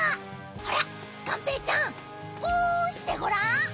ほらがんぺーちゃんポンしてごらん。